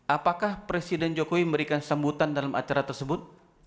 apakah presiden jokowi memberikan sambutan dalam acara tersebut